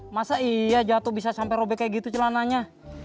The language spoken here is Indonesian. masa iya jatuh bisa sampai robek kayak gitu celananya